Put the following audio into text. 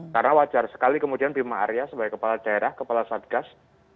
karena wajar sekali kemudian bima arya sebagai kepala daerah kepala satgas